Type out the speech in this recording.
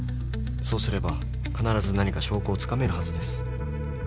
そうすれば必ず何か証拠をつかめるはずです。